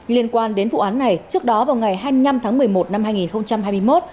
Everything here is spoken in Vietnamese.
liên quan đến vụ án này trước đó vào ngày hai mươi năm tháng một mươi một năm hai nghìn hai mươi một